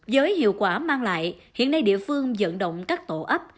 giới hiệu quả mang lại hiện nay địa phương dẫn động các tổ ấp